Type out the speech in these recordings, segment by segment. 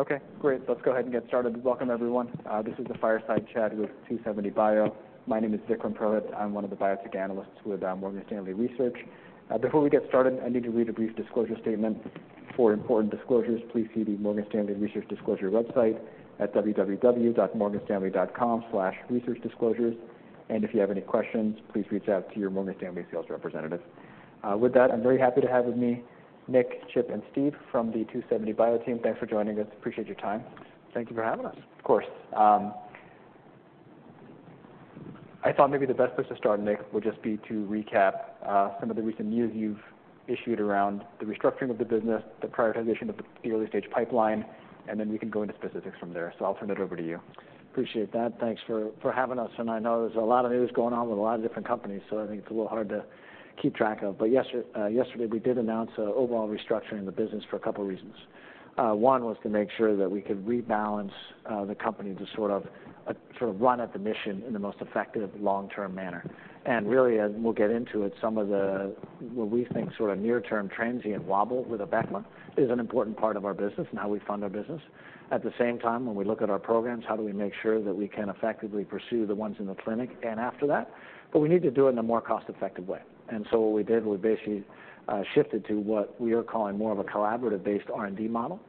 Okay, great. Let's go ahead and get started. Welcome, everyone. This is the Fireside Chat with 2seventy bio. My name is Vikram Purohit. I'm one of the biotech analysts with Morgan Stanley Research. Before we get started, I need to read a brief disclosure statement. For important disclosures, please see the Morgan Stanley Research Disclosure website at www.morganstanley.com/researchdisclosures. If you have any questions, please reach out to your Morgan Stanley sales representative. With that, I'm very happy to have with me Nick, Chip, and Steve from the 2seventy bio team. Thanks for joining us. Appreciate your time. Thank you for having us. Of course. I thought maybe the best place to start, Nick, would just be to recap some of the recent news you've issued around the restructuring of the business, the prioritization of the early-stage pipeline, and then we can go into specifics from there. I'll turn it over to you. Appreciate that. Thanks for having us, and I know there's a lot of news going on with a lot of different companies, so I think it's a little hard to keep track of. But yesterday, we did announce an overall restructuring in the business for a couple reasons. One was to make sure that we could rebalance the company to sort of run at the mission in the most effective long-term manner. And really, as we'll get into it, some of the, what we think sort of near-term transient wobble with Abecma is an important part of our business and how we fund our business. At the same time, when we look at our programs, how do we make sure that we can effectively pursue the ones in the clinic and after that? But we need to do it in a more cost-effective way. And so what we did, we basically, shifted to what we are calling more of a collaborative-based R&D model.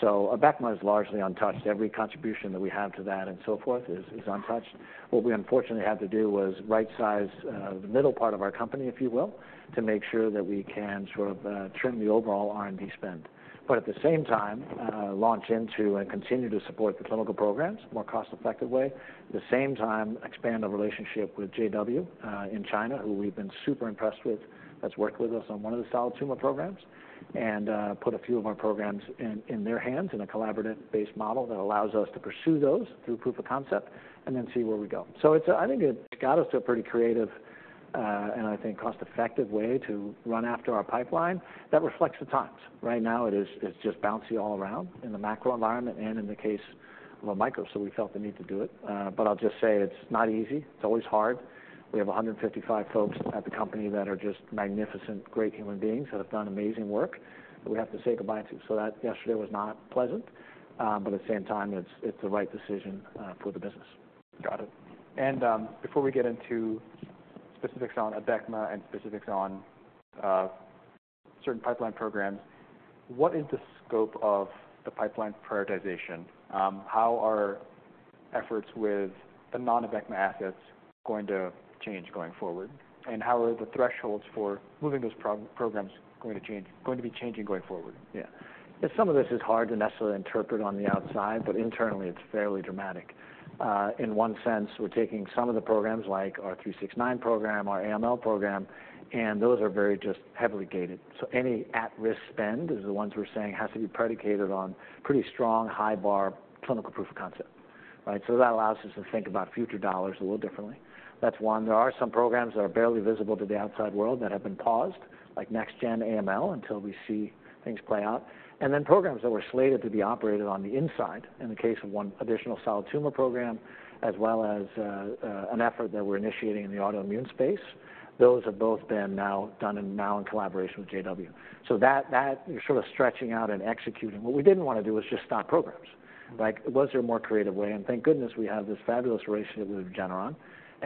So Abecma is largely untouched. Every contribution that we have to that and so forth is, is untouched. What we unfortunately had to do was right-size, the middle part of our company, if you will, to make sure that we can sort of, trim the overall R&D spend, but at the same time, launch into and continue to support the clinical programs, more cost-effective way. At the same time, expand our relationship with JW in China, who we've been super impressed with, that's worked with us on one of the solid tumor programs, and put a few of our programs in their hands in a collaborative-based model that allows us to pursue those through proof of concept and then see where we go. So it's a, I think it got us to a pretty creative and I think cost-effective way to run after our pipeline that reflects the times. Right now, it is, it's just bouncy all around in the macro environment and in the case of a micro, so we felt the need to do it. But I'll just say it's not easy. It's always hard. We have 155 folks at the company that are just magnificent, great human beings that have done amazing work, that we have to say goodbye to. So that, yesterday was not pleasant, but at the same time, it's, it's the right decision, for the business. Got it. And, before we get into specifics on Abecma and specifics on, certain pipeline programs, what is the scope of the pipeline prioritization? How are efforts with the non-Abecma assets going to change going forward, and how are the thresholds for moving those programs going to change going forward? Yeah. And some of this is hard to necessarily interpret on the outside, but internally, it's fairly dramatic. In one sense, we're taking some of the programs like our 369 program, our AML program, and those are very just heavily gated. So any at-risk spend is the ones we're saying has to be predicated on pretty strong, high bar, clinical proof of concept, right? So that allows us to think about future dollars a little differently. That's one. There are some programs that are barely visible to the outside world that have been paused, like next gen AML, until we see things play out. And then programs that were slated to be operated on the inside, in the case of one additional solid tumor program, as well as an effort that we're initiating in the autoimmune space. Those have both been now done and now in collaboration with JW. So that, that is sort of stretching out and executing. What we didn't want to do was just stop programs. Like, was there a more creative way? And thank goodness, we have this fabulous relationship with Regeneron.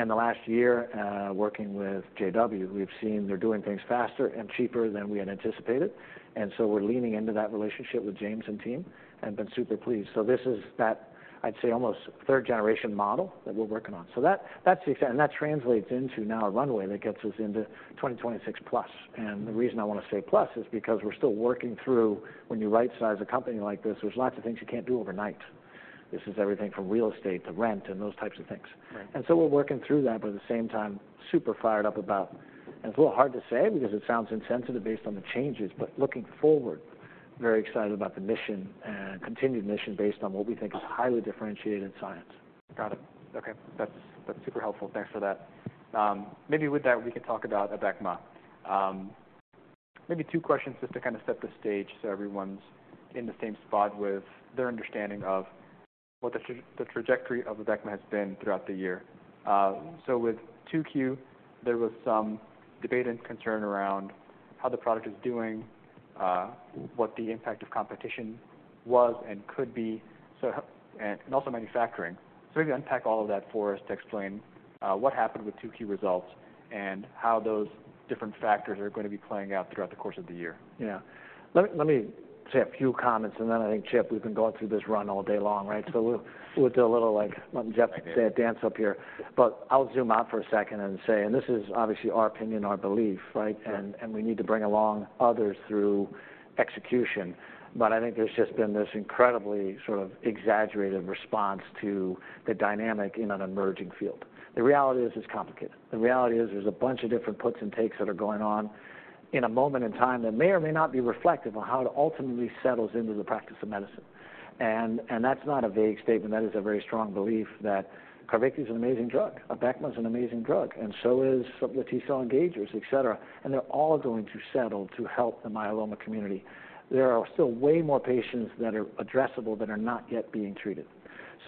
And the last year, working with JW, we've seen they're doing things faster and cheaper than we had anticipated, and so we're leaning into that relationship with James and team and been super pleased. So this is that, I'd say, almost third-generation model that we're working on. So that, that's the extent, and that translates into now a runway that gets us into 2026+. And the reason I want to say plus is because we're still working through when you rightsize a company like this, there's lots of things you can't do overnight. This is everything from real estate to rent and those types of things. Right. And so we're working through that, but at the same time, super fired up about... And it's a little hard to say because it sounds insensitive based on the changes, but looking forward, very excited about the mission and continued mission based on what we think is highly differentiated science. Got it. Okay, that's, that's super helpful. Thanks for that. Maybe with that, we can talk about Abecma. Maybe two questions just to kind of set the stage so everyone's in the same spot with their understanding of what the trajectory of Abecma has been throughout the year. So with 2Q, there was some debate and concern around how the product is doing, what the impact of competition was and could be, so how and also manufacturing. So maybe unpack all of that for us to explain what happened with 2Q results and how those different factors are going to be playing out throughout the course of the year. Yeah. Let me, let me say a few comments, and then I think, Chip, we've been going through this run all day long, right? So we'll, we'll do a little, like, Geoff dance up here. But I'll zoom out for a second and say... And this is obviously our opinion, our belief, right? And, and we need to bring along others through execution. But I think there's just been this incredibly sort of exaggerated response to the dynamic in an emerging field. The reality is, it's complicated. The reality is there's a bunch of different puts and takes that are going on in a moment in time that may or may not be reflective of how it ultimately settles into the practice of medicine. And, and that's not a vague statement. That is a very strong belief that Carvykti is an amazing drug, Abecma is an amazing drug, and so is the T-cell engagers, et cetera, and they're all going to settle to help the myeloma community. There are still way more patients that are addressable that are not yet being treated...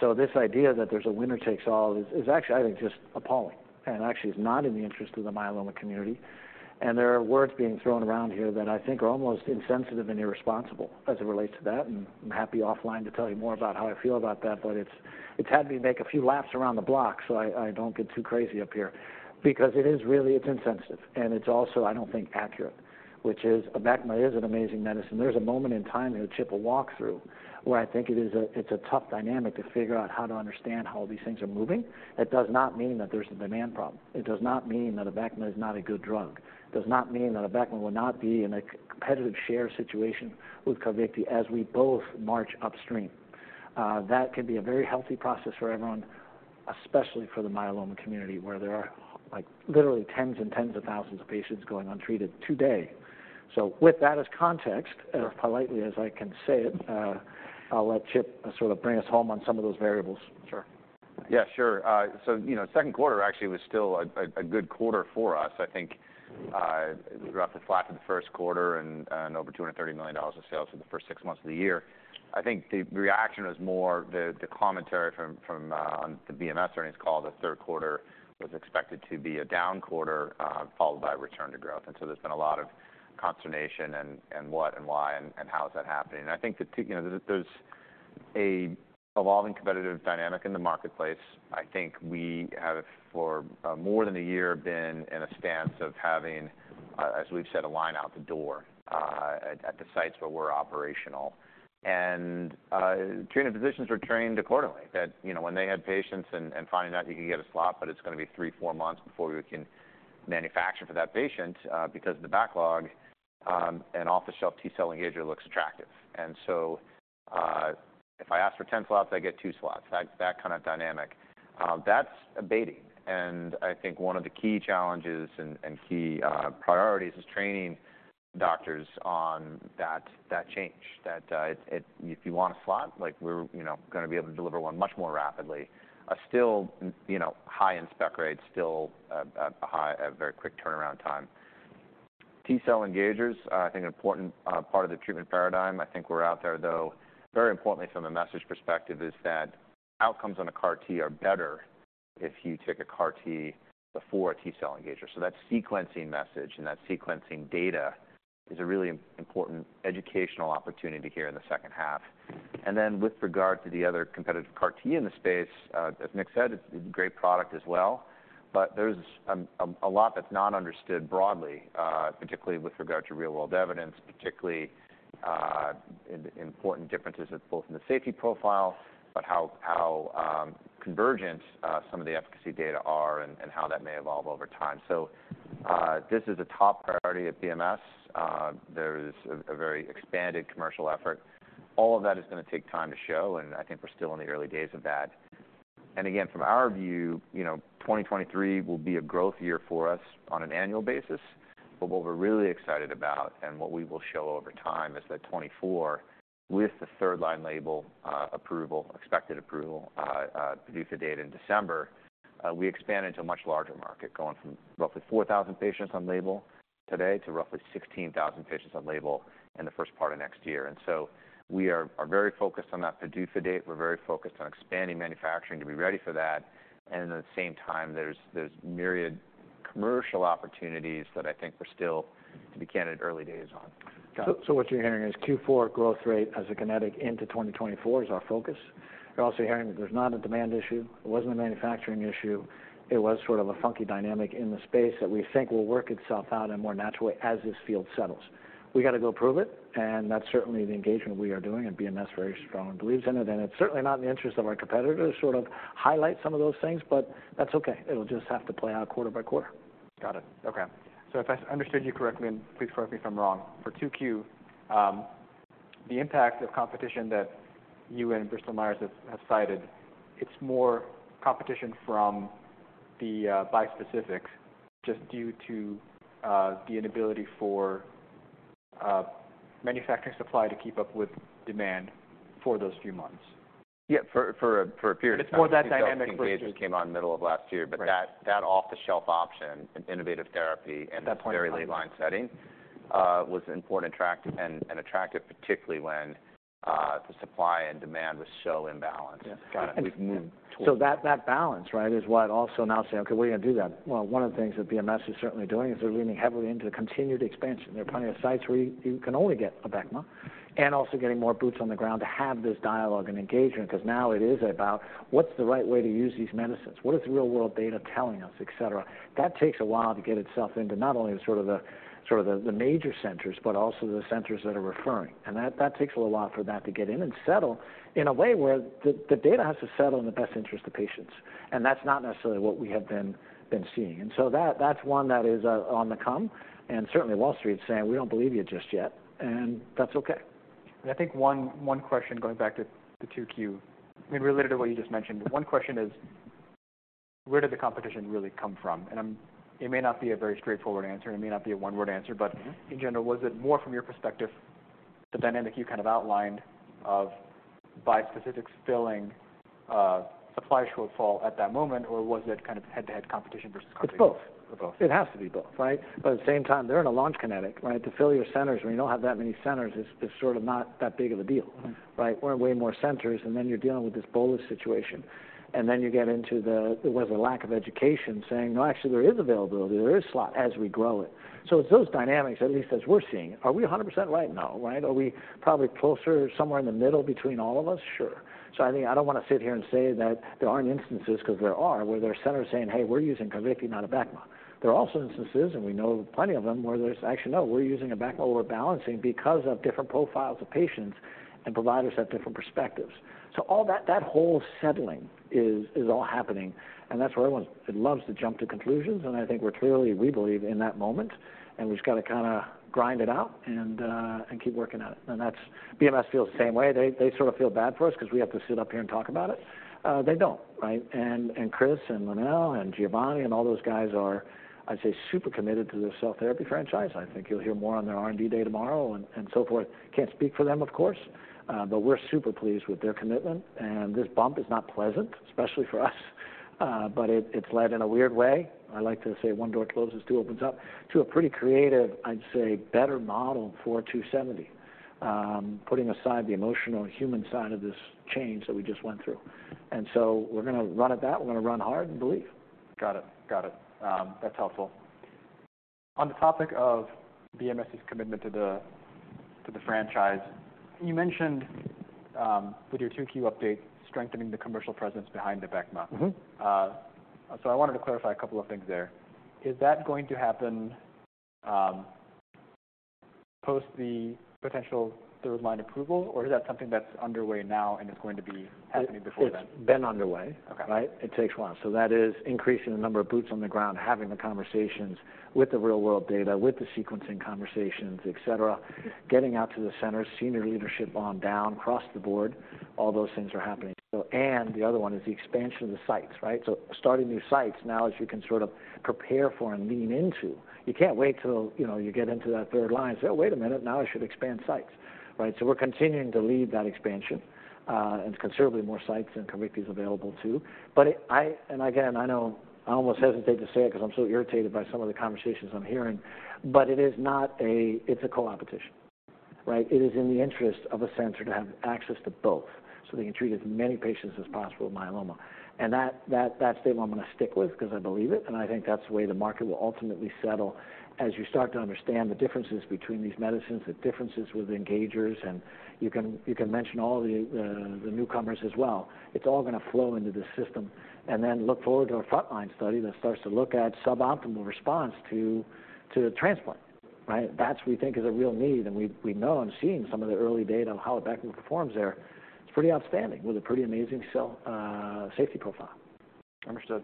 So this idea that there's a winner takes all is actually, I think, just appalling, and actually is not in the interest of the myeloma community. And there are words being thrown around here that I think are almost insensitive and irresponsible as it relates to that, and I'm happy offline to tell you more about how I feel about that. But it's had me make a few laps around the block, so I don't get too crazy up here because it is really, it's insensitive, and it's also, I don't think, accurate, which is Abecma is an amazing medicine. There's a moment in time here, Chip will walk through, where I think it is a tough dynamic to figure out how to understand how these things are moving. That does not mean that there's a demand problem. It does not mean that Abecma is not a good drug. It does not mean that Abecma will not be in a competitive share situation with Carvykti as we both march upstream. That can be a very healthy process for everyone, especially for the myeloma community, where there are, like, literally tens and tens of thousands of patients going untreated today. So with that as context, as politely as I can say it, I'll let Chip sort of bring us home on some of those variables. Sure. Yeah, sure. So, you know, second quarter actually was still a good quarter for us. I think we were up to flat for the first quarter and over $230 million of sales for the first six months of the year. I think the reaction was more the commentary from on the BMS earnings call; the third quarter was expected to be a down quarter, followed by a return to growth. And so there's been a lot of consternation and what and why, and how is that happening? And I think that, you know, there's an evolving competitive dynamic in the marketplace. I think we have, for more than a year, been in a stance of having, as we've said, a line out the door, at the sites where we're operational. Training physicians were trained accordingly, that, you know, when they had patients and finding out you can get a slot, but it's going to be 3-4 months before we can manufacture for that patient, because of the backlog, an off-the-shelf T-cell engager looks attractive. And so, if I ask for 10 slots, I get 2 slots. That kind of dynamic, that's abating. And I think one of the key challenges and key priorities is training doctors on that change, that if you want a slot, like we're, you know, going to be able to deliver one much more rapidly. Still, you know, high in-spec rates, still a very quick turnaround time. T-cell engagers, I think an important part of the treatment paradigm. I think we're out there, though, very importantly from a message perspective, is that outcomes on a CAR-T are better if you take a CAR-T before a T-cell engager. So that sequencing message and that sequencing data is a really important educational opportunity here in the second half. And then with regard to the other competitive CAR-T in the space, as Nick said, it's a great product as well, but there's a lot that's not understood broadly, particularly with regard to real-world evidence, particularly in the important differences of both in the safety profile, but how convergent some of the efficacy data are and how that may evolve over time. So, this is a top priority at BMS. There's a very expanded commercial effort. All of that is going to take time to show, and I think we're still in the early days of that. And again, from our view, you know, 2023 will be a growth year for us on an annual basis. But what we're really excited about, and what we will show over time, is that 2024, with the third-line label approval, expected approval, PDUFA date in December, we expand into a much larger market, going from roughly 4,000 patients on label today to roughly 16,000 patients on label in the first part of next year. And so we are very focused on that PDUFA date. We're very focused on expanding manufacturing to be ready for that, and at the same time, there's myriad commercial opportunities that I think we're still, to be candid, early days on. So what you're hearing is Q4 growth rate as a kinetic into 2024 is our focus. You're also hearing that there's not a demand issue. It wasn't a manufacturing issue. It was sort of a funky dynamic in the space that we think will work itself out in a more natural way as this field settles. We got to go prove it, and that's certainly the engagement we are doing, and BMS very strongly believes in it, and it's certainly not in the interest of our competitor to sort of highlight some of those things, but that's okay. It'll just have to play out quarter-by-quarter. Got it. Okay. So if I understood you correctly, and please correct me if I'm wrong, for 2Q, the impact of competition that you and Bristol Myers have, have cited, it's more competition from the bispecific, just due to the inability for manufacturing supply to keep up with demand for those few months? Yeah, for a period of time- It's more that dynamic- Came on middle of last year. Right. But that off-the-shelf option and innovative therapy- At that point.... in very late line setting, was important and attractive, particularly when the supply and demand was so imbalanced. Yes. Got it. So that balance, right, is what also now say, "Okay, we're going to do that." Well, one of the things that BMS is certainly doing is they're leaning heavily into the continued expansion. There are plenty of sites where you can only get Abecma, and also getting more boots on the ground to have this dialogue and engagement, because now it is about what's the right way to use these medicines? What is the real-world data telling us, et cetera? That takes a while to get itself into not only the sort of the major centers, but also the centers that are referring. And that takes a little while for that to get in and settle in a way where the data has to settle in the best interest of patients, and that's not necessarily what we have been seeing. And so that's one that is on the come, and certainly Wall Street is saying: "We don't believe you just yet," and that's okay. I think one question, going back to the 2Q, I mean, related to what you just mentioned: Where did the competition really come from? And I'm, it may not be a very straightforward answer, and it may not be a one-word answer. Mm-hmm... but in general, was it more from your perspective?... the dynamic you kind of outlined of bispecific spillover, supply shortfall at that moment, or was it kind of head-to-head competition versus- It's both. Both. It has to be both, right? But at the same time, they're in a launch kinetic, right? To fill your centers when you don't have that many centers is sort of not that big of a deal. Mm-hmm. Right? We're way more centers, and then you're dealing with this bolus situation, and then you get into the, there was a lack of education, saying, "No, actually, there is availability, there is slot," as we grow it. So it's those dynamics, at least as we're seeing. Are we 100% right now, right? Are we probably closer somewhere in the middle between all of us? Sure. So I think I don't want to sit here and say that there aren't instances, 'cause there are, where there are centers saying, "Hey, we're using Carvykti, not Abecma." There are also instances, and we know plenty of them, where there's actually, "No, we're using Abecma over Breyanzi because of different profiles of patients and providers have different perspectives." So all that, that whole settling is all happening, and that's where everyone loves to jump to conclusions, and I think we're clearly, we believe, in that moment, and we've just got to kind of grind it out and keep working at it. And that's. BMS feels the same way. They, they sort of feel bad for us 'cause we have to sit up here and talk about it. They don't, right? And Chris and Lynelle and Giovanni and all those guys are, I'd say, super committed to their cell therapy franchise. I think you'll hear more on their R&D day tomorrow and so forth. Can't speak for them, of course, but we're super pleased with their commitment, and this bump is not pleasant, especially for us, but it's led in a weird way. I like to say, "One door closes, two opens up," to a pretty creative, I'd say, better model for 2seventy. Putting aside the emotional and human side of this change that we just went through. So we're gonna run it back, we're gonna run hard and believe. Got it. Got it. That's helpful. On the topic of BMS's commitment to the, to the franchise, you mentioned, with your 2Q update, strengthening the commercial presence behind the Abecma. Mm-hmm. So I wanted to clarify a couple of things there. Is that going to happen, post the potential third line approval, or is that something that's underway now and is going to be happening before then? It's been underway. Okay. Right? It takes a while. So that is increasing the number of boots on the ground, having the conversations with the real world data, with the sequencing conversations, et cetera, getting out to the centers, senior leadership on down, across the board. All those things are happening. So, and the other one is the expansion of the sites, right? So starting new sites, now, as you can sort of prepare for and lean into, you can't wait till, you know, you get into that third line, and say, "Oh, wait a minute, now I should expand sites." Right? So we're continuing to lead that expansion, and considerably more sites and Carvykti is available too. But I, and again, I know I almost hesitate to say it 'cause I'm so irritated by some of the conversations I'm hearing, but it is not a, it's a co-opetition, right? It is in the interest of a center to have access to both, so they can treat as many patients as possible with myeloma. And that statement I'm gonna stick with because I believe it, and I think that's the way the market will ultimately settle as you start to understand the differences between these medicines, the differences with engagers, and you can mention all the newcomers as well. It's all gonna flow into the system. And then look forward to a frontline study that starts to look at suboptimal response to transplant, right? That's we think is a real need, and we know and seeing some of the early data on how Abecma performs there, it's pretty outstanding, with a pretty amazing cell safety profile. Understood.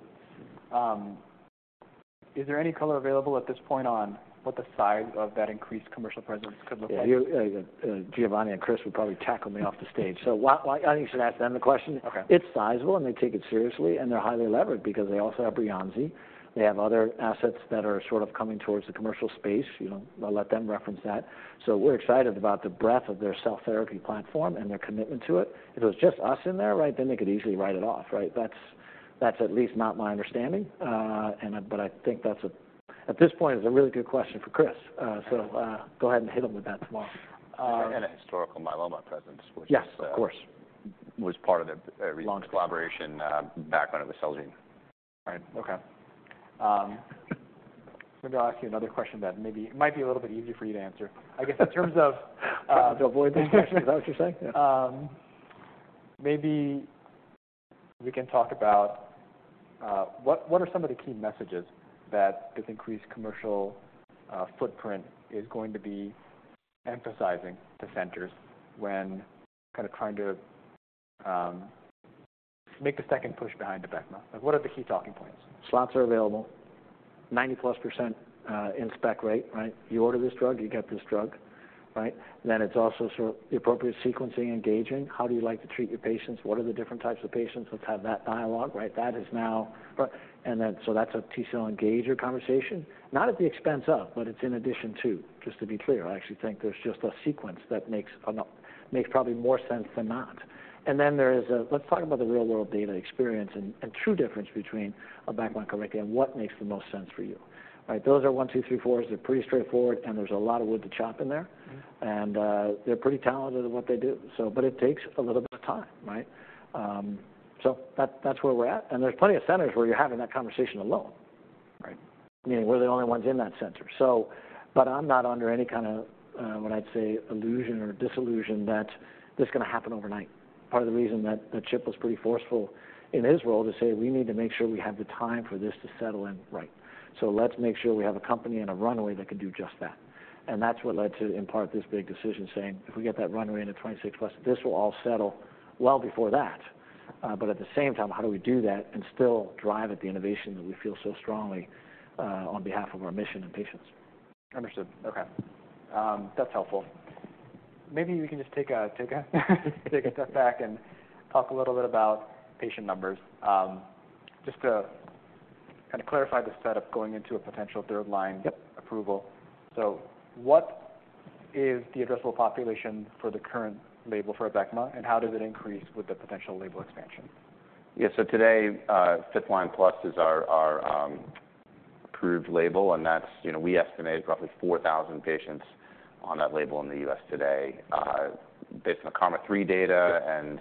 Is there any color available at this point on what the size of that increased commercial presence could look like? Yeah. Giovanni and Chris would probably tackle me off the stage. So why—I think you should ask them the question. Okay. It's sizable, and they take it seriously, and they're highly levered because they also have Breyanzi. They have other assets that are sort of coming towards the commercial space. You know, I'll let them reference that. So we're excited about the breadth of their cell therapy platform and their commitment to it. If it was just us in there, right, then they could easily write it off, right? That's at least not my understanding, and, but I think that's a... At this point, it's a really good question for Chris. So, go ahead and hit him with that tomorrow. A historical myeloma presence, which was- Yes, of course.... was part of the- Launch collaboration, background with Celgene. Right. Okay. Maybe I'll ask you another question that maybe might be a little bit easier for you to answer. I guess in terms of, To avoid this question, is that what you're saying? Maybe we can talk about what are some of the key messages that this increased commercial footprint is going to be emphasizing to centers when kind of trying to make the second push behind the Abecma? What are the key talking points? Slots are available. 90+% in-spec rate, right? You order this drug, you get this drug, right? Then it's also sort of the appropriate sequencing, engaging. How do you like to treat your patients? What are the different types of patients? Let's have that dialogue, right? And then, so that's a T-cell engager conversation. Not at the expense of, but it's in addition to, just to be clear, I actually think there's just a sequence that makes probably more sense than not. And then there is a. Let's talk about the real-world data experience and the true difference between Abecma and Carvykti and what makes the most sense for you. Right? Those are 1, 2, 3, 4s. They're pretty straightforward, and there's a lot of wood to chop in there. Mm-hmm. They're pretty talented at what they do. So, but it takes a little bit of time, right? So that's where we're at. And there's plenty of centers where you're having that conversation alone, right? Meaning, we're the only ones in that center. So, but I'm not under any kind of, what I'd say, illusion or disillusion that this is gonna happen overnight. Part of the reason that Chip was pretty forceful in his role to say: We need to make sure we have the time for this to settle in, right. So let's make sure we have a company and a runway that can do just that. And that's what led to, in part, this big decision, saying, if we get that runway into 2026+, this will all settle well before that. But at the same time, how do we do that and still drive at the innovation that we feel so strongly on behalf of our mission and patients? Understood. Okay. That's helpful. Maybe we can just take a step back and talk a little bit about patient numbers. Just to kind of clarify the setup going into a potential third line- Yep. Approval. So what is the addressable population for the current label for Abecma, and how does it increase with the potential label expansion? Yeah, so today, fifth line+ is our, our, approved label, and that's, you know, we estimate roughly 4,000 patients on that label in the U.S. today. Based on the KarMMa-3 data- Yep and,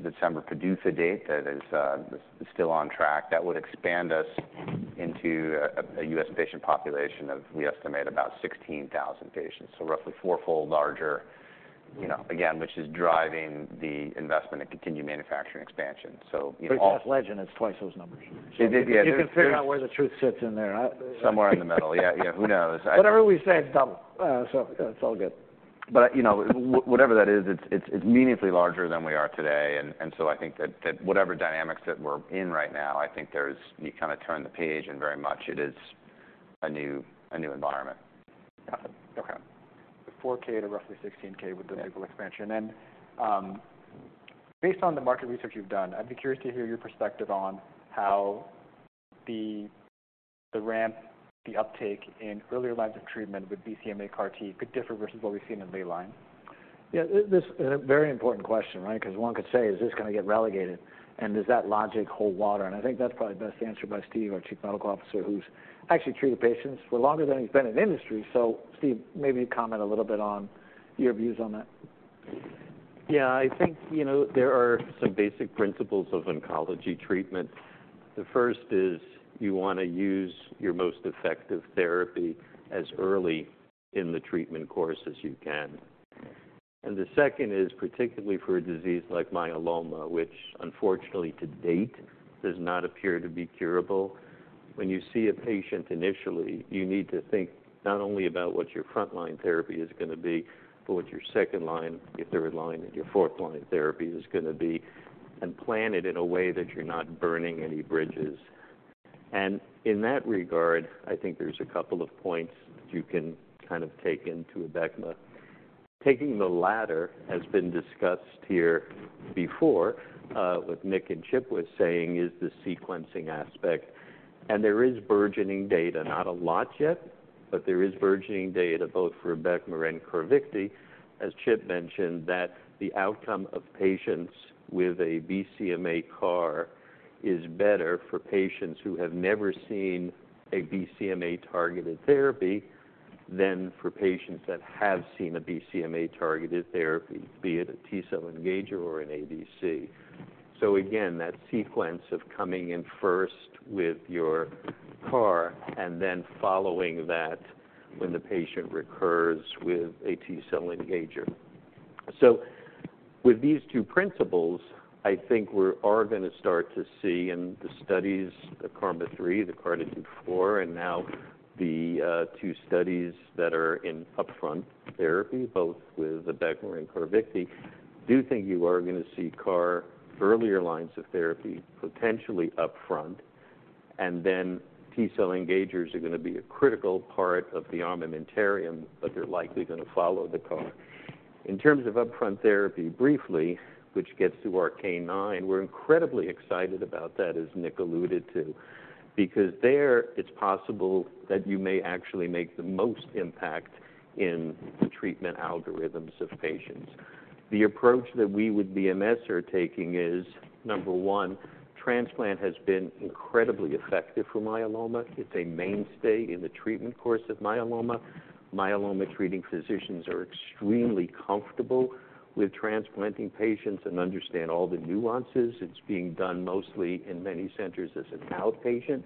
December PDUFA date, that is, is still on track, that would expand us into a U.S. patient population of, we estimate, about 16,000 patients. So roughly fourfold larger, you know, again, which is driving the investment and continued manufacturing expansion. So, you know, all- But just Legend, it's twice those numbers. So yeah, there- You can figure out where the truth sits in there. Somewhere in the middle. Yeah, yeah, who knows? Whatever we say, it's double. So it's all good. But, you know, whatever that is, it's meaningfully larger than we are today. And so I think that whatever dynamics that we're in right now, I think there's... you kind of turn the page and very much it is a new, a new environment. Got it. Okay. The 4k to roughly 16k with- Yeah The label expansion. And based on the market research you've done, I'd be curious to hear your perspective on how the, the ramp, the uptake in earlier lines of treatment with BCMA CAR T could differ versus what we've seen in late line. Yeah, this is a very important question, right? Because one could say, is this gonna get relegated, and does that logic hold water? And I think that's probably best answered by Steve, our Chief Medical Officer, who's actually treated patients for longer than he's been in industry. So Steve, maybe comment a little bit on your views on that. Yeah, I think, you know, there are some basic principles of oncology treatment. The first is, you wanna use your most effective therapy as early in the treatment course as you can. And the second is, particularly for a disease like myeloma, which unfortunately to date does not appear to be curable. When you see a patient initially, you need to think not only about what your frontline therapy is gonna be, but what your second line, your third line, and your fourth line therapy is gonna be, and plan it in a way that you're not burning any bridges. And in that regard, I think there's a couple of points that you can kind of take into Abecma. Taking the latter has been discussed here before, with Nick and Chip was saying, is the sequencing aspect, and there is burgeoning data. Not a lot yet, but there is burgeoning data both for Abecma and Carvykti, as Chip mentioned, that the outcome of patients with a BCMA CAR is better for patients who have never seen a BCMA-targeted therapy than for patients that have seen a BCMA-targeted therapy, be it a T-cell engager or an ADC. So again, that sequence of coming in first with your CAR and then following that when the patient recurs with a T-cell engager. So with these two principles, I think we're all gonna start to see in the studies, the KarMMa-3, the CARTITUDE-4, and now the two studies that are in upfront therapy, both with Abecma and Carvykti. I do think you are gonna see CAR earlier lines of therapy, potentially upfront, and then T-cell engagers are gonna be a critical part of the armamentarium, but they're likely gonna follow the CAR. In terms of upfront therapy, briefly, which gets to our KarMMa-9, we're incredibly excited about that, as Nick alluded to, because there it's possible that you may actually make the most impact in the treatment algorithms of patients. The approach that we with BMS are taking is, number one, transplant has been incredibly effective for myeloma. It's a mainstay in the treatment course of myeloma. Myeloma treating physicians are extremely comfortable with transplanting patients and understand all the nuances. It's being done mostly in many centers as an outpatient.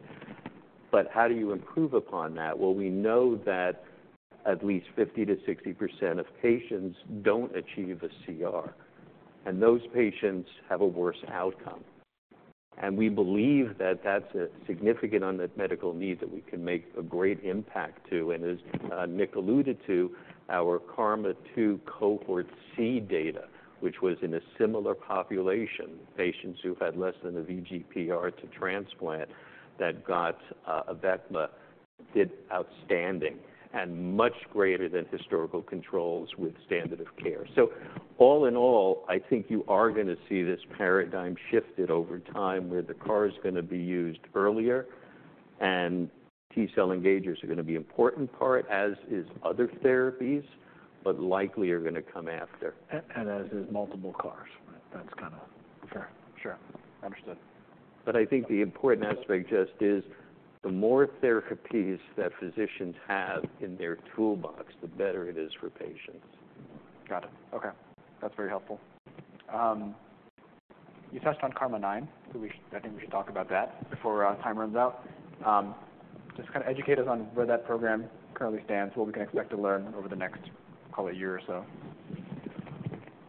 But how do you improve upon that? Well, we know that at least 50%-60% of patients don't achieve a CR, and those patients have a worse outcome. And we believe that that's a significant unmet medical need that we can make a great impact to. As Nick alluded to, our KarMMa-2 Cohort C data, which was in a similar population, patients who've had less than a VGPR to transplant that got Abecma, did outstanding and much greater than historical controls with standard of care. All in all, I think you are gonna see this paradigm shifted over time, where the CAR is gonna be used earlier, and T-cell engagers are gonna be important part, as is other therapies, but likely are gonna come after. And as is multiple CARs. Right? That's kind of... Sure. Sure. Understood. I think the important aspect just is, the more therapies that physicians have in their toolbox, the better it is for patients. Got it. Okay. That's very helpful. You touched on KarMMa-9, so I think we should talk about that before time runs out. Just kind of educate us on where that program currently stands, what we can expect to learn over the next, call it a year or so.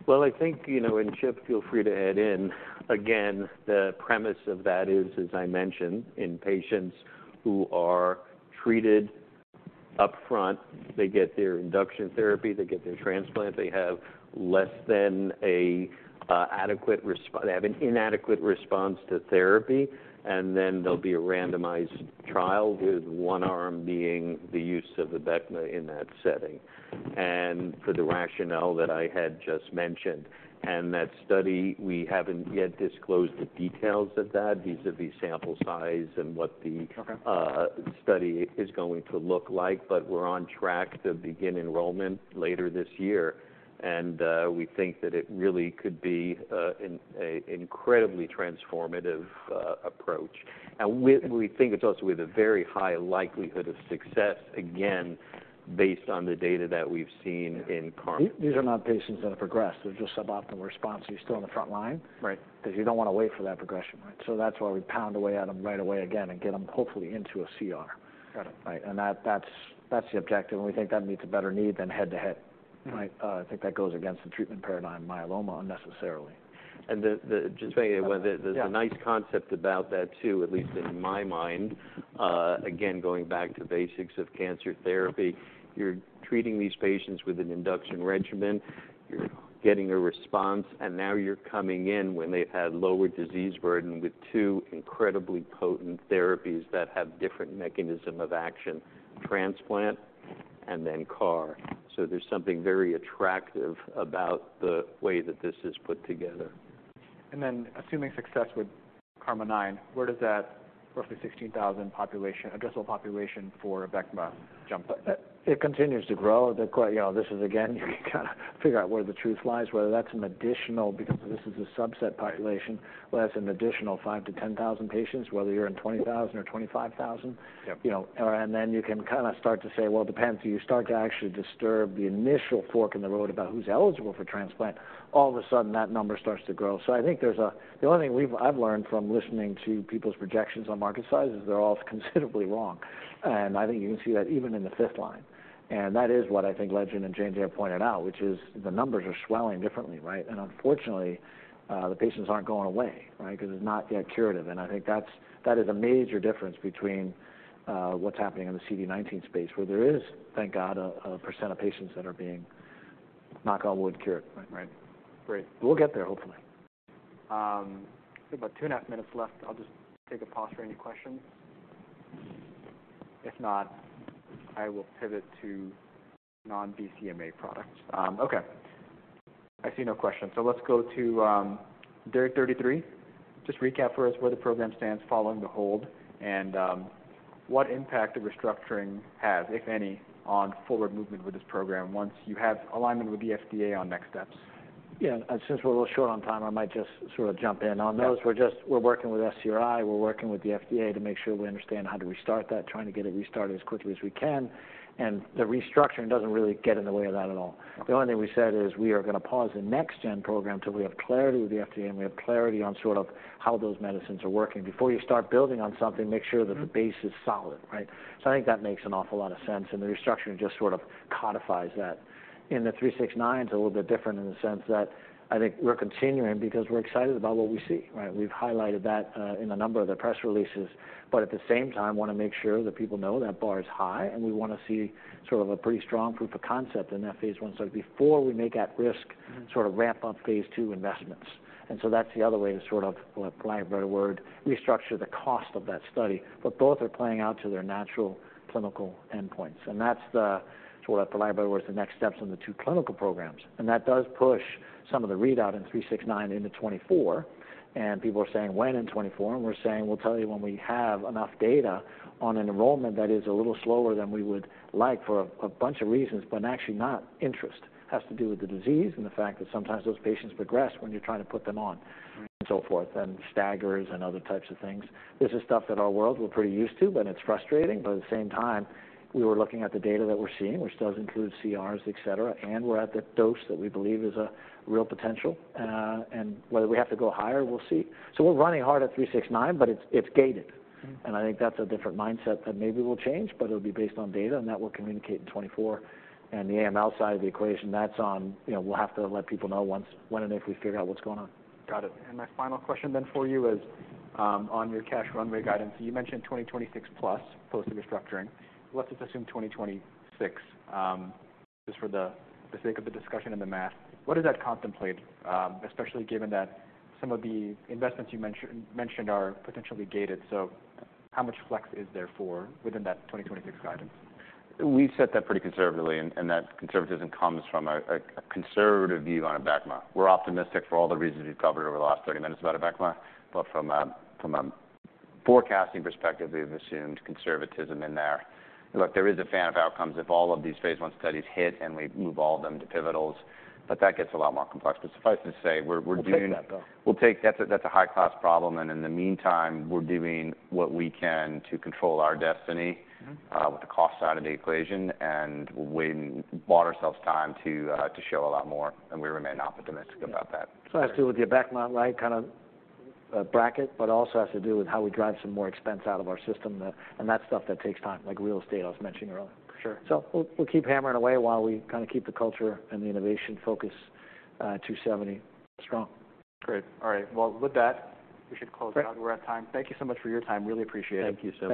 Well, I think, you know, and Chip, feel free to add in. Again, the premise of that is, as I mentioned, in patients who are treated upfront, they get their induction therapy, they get their transplant, they have less than an adequate response—they have an inadequate response to therapy, and then there'll be a randomized trial, with one arm being the use of Abecma in that setting. And for the rationale that I had just mentioned, and that study, we haven't yet disclosed the details of that, vis-à-vis sample size and what the- Okay Study is going to look like, but we're on track to begin enrollment later this year. And we think that it really could be an incredibly transformative approach. And we think it's also with a very high likelihood of success, again, based on the data that we've seen in KarMMa. These are not patients that have progressed. They're just suboptimal response, so you're still on the front line. Right. Because you don't want to wait for that progression. Right. So that's why we pound away at them right away again and get them hopefully into a CR. Got it. Right? And that's the objective, and we think that meets a better need than head-to-head. Right. I think that goes against the treatment paradigm, myeloma, unnecessarily. Just saying, there's a nice concept about that too, at least in my mind. Again, going back to basics of cancer therapy, you're treating these patients with an induction regimen, you're getting a response, and now you're coming in when they've had lower disease burden with two incredibly potent therapies that have different mechanism of action, transplant and then CAR. So there's something very attractive about the way that this is put together. Assuming success with KarMMa-9, where does that roughly 16,000 population, addressable population for Abecma jump to? It continues to grow. You know, this is, again, you kind of figure out where the truth lies, whether that's an additional, because this is a subset population, whether that's an additional 5-10,000 patients, whether you're in 20,000 or 25,000. Yep. You know, and then you can kind of start to say, well, it depends. You start to actually disturb the initial fork in the road about who's eligible for transplant, all of a sudden, that number starts to grow. So I think there's a. The only thing I've learned from listening to people's projections on market size is they're all considerably wrong. And I think you can see that even in the fifth line. And that is what I think Legend and J&J have pointed out, which is the numbers are swelling differently, right? And unfortunately, the patients aren't going away, right? Because it's not yet curative. And I think that's, that is a major difference between, what's happening in the CD19 space, where there is, thank God, a percent of patients that are being, knock on wood, cured. Right. Great. We'll get there, hopefully. About 2.5 minutes left. I'll just take a pause for any questions. If not, I will pivot to non-BCMA products. Okay, I see no questions. So let's go to SC-DARIC33. Just recap for us where the program stands following the hold, and what impact the restructuring has, if any, on forward movement with this program once you have alignment with the FDA on next steps. Yeah, and since we're a little short on time, I might just sort of jump in on those. Yeah. We're just working with SCRI, we're working with the FDA to make sure we understand how to restart that, trying to get it restarted as quickly as we can, and the restructuring doesn't really get in the way of that at all. Okay. The only thing we said is we are going to pause the next gen program till we have clarity with the FDA and we have clarity on sort of how those medicines are working. Before you start building on something, make sure that the base is solid, right? So I think that makes an awful lot of sense, and the restructuring just sort of codifies that. In the 369, it's a little bit different in the sense that I think we're continuing because we're excited about what we see, right? We've highlighted that, in a number of the press releases, but at the same time, want to make sure that people know that bar is high and we want to see sort of a pretty strong proof of concept in that phase I. So before we make at risk, sort of ramp up phase III investments. And so that's the other way to sort of, for lack of a better word, restructure the cost of that study. But both are playing out to their natural clinical endpoints, and that's the, sort of for lack of a better word, is the next steps in the two clinical programs. And that does push some of the readout in 369 into 2024. And people are saying, "When in 2024?" And we're saying, "We'll tell you when we have enough data on an enrollment that is a little slower than we would like for a bunch of reasons, but actually not interest." It has to do with the disease and the fact that sometimes those patients progress when you're trying to put them on- Right... and so forth, and staggers and other types of things. This is stuff that our world, we're pretty used to, but it's frustrating. But at the same time, we were looking at the data that we're seeing, which does include CRs, et cetera, and we're at the dose that we believe is a real potential. And whether we have to go higher, we'll see. So we're running hard at 369, but it's gated. Mm-hmm. I think that's a different mindset that maybe will change, but it'll be based on data, and that will communicate in 2024. And the AML side of the equation, that's on... You know, we'll have to let people know once, when and if we figure out what's going on. Got it. My final question then for you is, on your cash runway guidance, you mentioned 2026+ post restructuring. Let's just assume 2026, just for the sake of the discussion and the math. What does that contemplate, especially given that some of the investments you mentioned are potentially gated, so how much flex is there for within that 2026 guidance? We've set that pretty conservatively, and that conservatism comes from a conservative view on Abecma. We're optimistic for all the reasons we've covered over the last 30 minutes about Abecma, but from a forecasting perspective, we've assumed conservatism in there. Look, there is a fan of outcomes if all of these phase 1 studies hit and we move all of them to pivotals, but that gets a lot more complex. But suffice to say, we're doing- We'll take that, though. We'll take... That's a high-class problem, and in the meantime, we're doing what we can to control our destiny. Mm-hmm... with the cost side of the equation, and we bought ourselves time to, to show a lot more, and we remain optimistic about that. So it has to do with the Abecma, right? Kind of, bracket, but also has to do with how we drive some more expense out of our system. And that's stuff that takes time, like real estate I was mentioning earlier. Sure. So we'll keep hammering away while we kind of keep the culture and the innovation focus, 2seventy strong. Great. All right. Well, with that, we should close out. Great. We're at time. Thank you so much for your time. Really appreciate it. Thank you, sir.